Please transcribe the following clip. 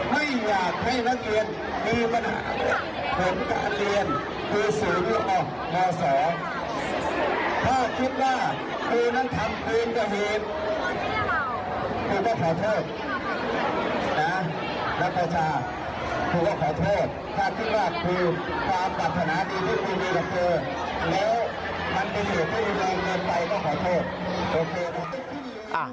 และที่อยู่ที่เรียนไปก็ขอโทษ